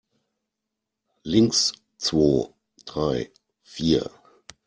Links, zwo, drei, vier!